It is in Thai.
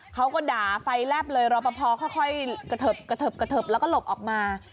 เขาก็ด่าไฟลับเลยรบพอค่อยกระเถิบแล้วก็หลบออกมา